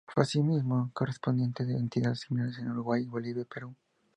Fue asimismo correspondiente de entidades similares en Uruguay, Bolivia, Perú.